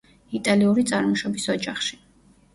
იტალიური წარმოშობის ოჯახში.